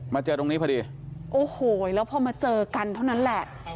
เจอตรงนี้พอดีโอ้โหแล้วพอมาเจอกันเท่านั้นแหละ